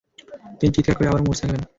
তিনি চিৎকার করে আবারও মূর্ছা গেলেন।